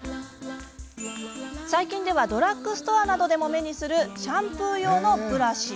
最近ではドラッグストアなどでも目にするシャンプー用のブラシ。